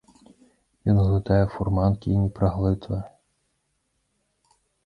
Ён глытае фурманкі і не праглытвае.